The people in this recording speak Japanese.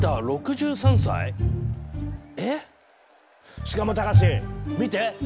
しかも隆見て！